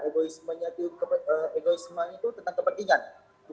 bukankah dengan banyaknya partai akan banyak menimbulkan gesekan gesekan kepentingan yang